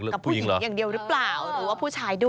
กับผู้หญิงอย่างเดียวหรือเปล่าหรือว่าผู้ชายด้วย